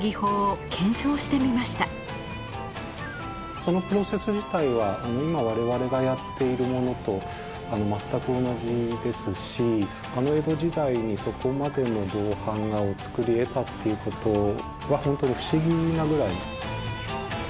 そのプロセス自体は今我々がやっているものと全く同じですしあの江戸時代にそこまでの銅版画を作り得たっていうことは本当に不思議なぐらい。